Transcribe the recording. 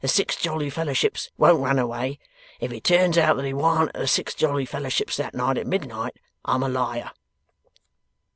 The Six Jolly Fellowships won't run away. If it turns out that he warn't at the Six Jolly Fellowships that night at midnight, I'm a liar.